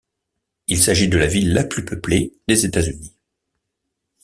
Il s'agit de la ville la plus peuplée des États-Unis.